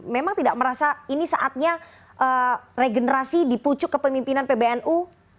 memang tidak merasa ini saatnya regenerasi dipucuk ke pemimpinan pbnu